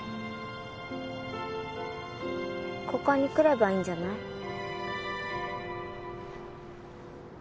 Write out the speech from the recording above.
ここに来ればいいんじゃない？